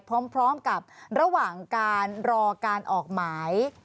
พร้อมกับระหว่างการรอการออกหมาย